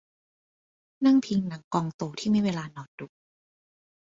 นั่งพิงหนังกองโตที่ไม่มีเวลานอนดู